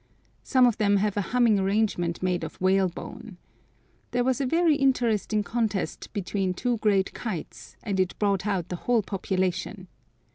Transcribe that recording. Some of them have a humming arrangement made of whale bone. There was a very interesting contest between two great kites, and it brought out the whole population.